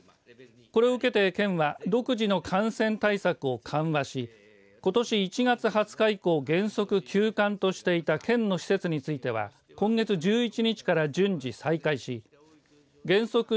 これを受けて県は独自の感染対策を緩和しことし１月２０日以降原則休館としていた県の施設については今月１１日から順次再開し原則